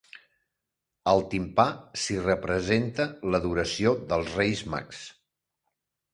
Al timpà s'hi representa l'adoració dels Reis Mags.